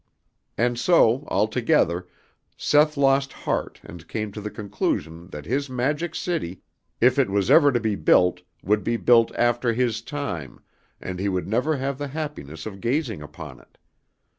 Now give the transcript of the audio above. And so, altogether, Seth lost heart and came to the conclusion that his Magic City, if it was ever to be built would be built after his time and he would never have the happiness of gazing upon it.